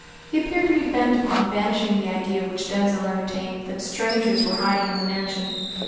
He appeared to be bent upon banishing the idea which Denzil entertained that strangers were hiding in the mansion.